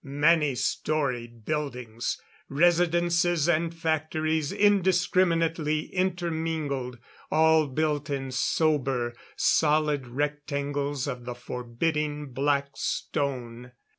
Many storied buildings residences and factories indiscriminately intermingled. All built in sober, solid rectangles of the forbidding black stone.